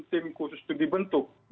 tim khusus itu dibentuk